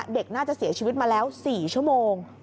เด็กน่าจะเสียชีวิตมาแล้ว๔ชั่วโมง